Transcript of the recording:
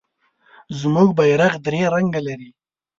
زمونږ بیرغ درې رنګه لري.